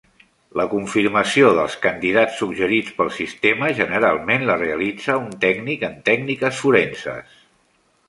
La confirmació dels candidats suggerits pel sistema generalment la realitza un tècnic en tècniques forenses.